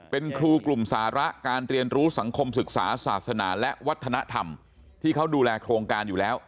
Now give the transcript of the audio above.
เป็นครูกลุ่มสาระการเรียนรู้สังคมศึกษาศาสนาและวัฒนธรรมที่เขาดูแลโครงการอยู่แล้ว